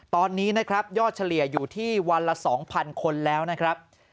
ตอนนี้นะครับยอดเฉลี่ยอยู่ที่วันละ๒๐๐คนแล้วนะครับ